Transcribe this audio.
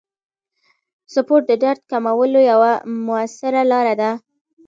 سپورت د درد کمولو یوه موثره لاره ده.